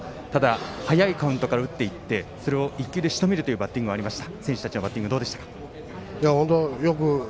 早いカウントから打っていって、それを１球でしとめるバッティングありました。